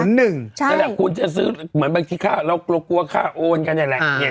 ก็แหละคุณจะซื้อเหมือนบางที่เรากลัวค่าโอนกันแหละมาแล้ว